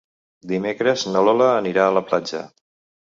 Dimecres na Lola anirà a la platja.